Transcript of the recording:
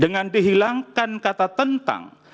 dengan dihilangkan kata tentang